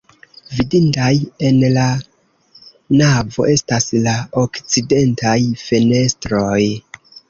Vidindaj en la navo estas la okcidentaj fenestroj.